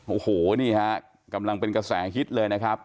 โอ้โหนี่ฮะกำลังเป็นกระแสฮิตเลยนะครับ